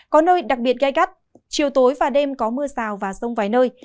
có nơi đặc biệt gai gắt chiều tối và đêm có mưa sào và sông vài nơi